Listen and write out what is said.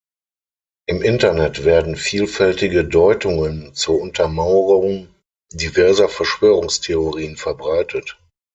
Im Internet werden vielfältige Deutungen zur Untermauerung diverser Verschwörungstheorien verbreitet.